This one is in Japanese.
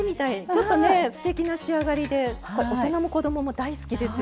ちょっとねステキな仕上がりで大人も子どもも大好きですよね。